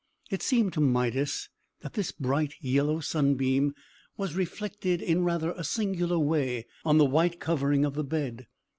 It seemed to Midas that this bright yellow sunbeam was reflected in rather a singular way on the white covering of the bed.